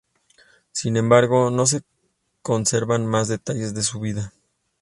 Sin embargo, no se conservan más detalles de su vida.